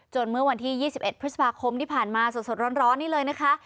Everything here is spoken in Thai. เมื่อวันที่๒๑พฤษภาคมที่ผ่านมาสดร้อนนี่เลยนะคะ